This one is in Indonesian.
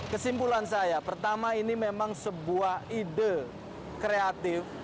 kesimpulan saya pertama ini memang sebuah ide kreatif